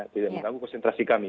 tidak mengganggu konsentrasi kami